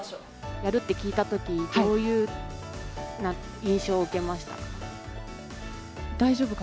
やるって聞いたとき、どういう印象を受けましたか？